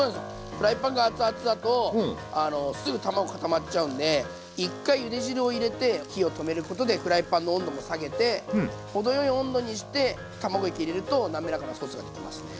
フライパンが熱々だとすぐ卵固まっちゃうんで１回ゆで汁を入れて火を止めることでフライパンの温度も下げて程よい温度にして卵液入れるとなめらかなソースができますね。